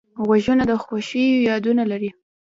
غوږونه د خوښیو یادونه لري